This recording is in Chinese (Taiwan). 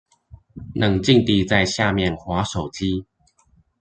冷靜地在下面滑手機